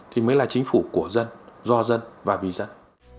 thì mới là chính phủ của dân do dân và vì dân